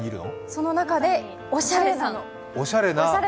その中でおしゃれさん。